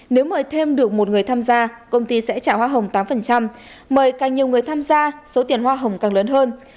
nếu mời thêm được một người tham gia công ty sẽ trả hoa hồng tám mời càng nhiều người tham gia số tiền hoa hồng càng lớn hơn